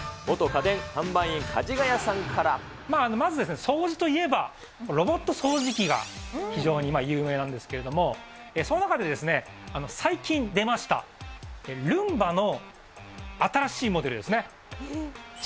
元家電販売員、まず、掃除といえば、ロボット掃除機が非常に有名なんですけれども、その中で、最近出ました、ルンバの新しいモデルですね。